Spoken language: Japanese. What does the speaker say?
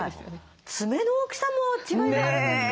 爪の大きさも違いがあるんですか？